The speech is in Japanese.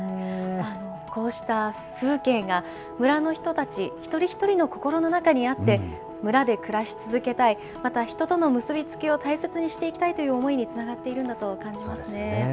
こうした風景が、村の人たち一人一人の心の中にあって、村で暮らし続けたい、また人との結び付きを大切にしていきたいという思いにつながってそうですね。